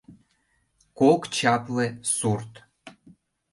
КОК ЧАПЛЕ СУРТ